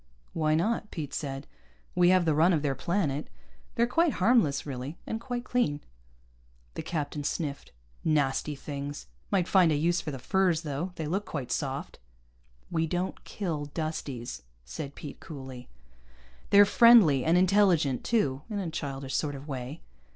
"Why not?" Pete said. "We have the run of their planet. They're quite harmless, really. And quite clean." The captain sniffed. "Nasty things. Might find a use for the furs, though. They look quite soft." "We don't kill Dusties," said Pete coolly. "They're friendly, and intelligent too, in a childish sort of way."